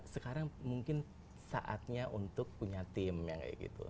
sekarang mungkin saatnya untuk punya tim yang kayak gitu